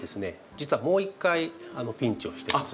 実はもう一回ピンチをしてるんですね。